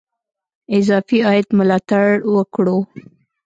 اضافي عاید ملاتړ وکړو.